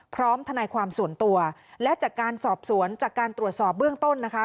ทนายความส่วนตัวและจากการสอบสวนจากการตรวจสอบเบื้องต้นนะคะ